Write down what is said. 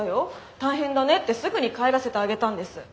大変だねってすぐに帰らせてあげたんです。